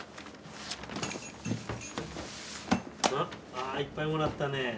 ああいっぱいもらったね。